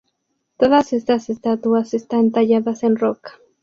Todas estas estatuas están talladas en roca.